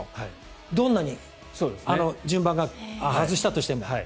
どんなに外したとしても。